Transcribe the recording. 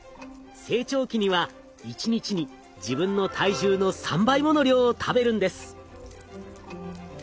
成長期には１日に自分の体重の３倍もの量を食べるんです。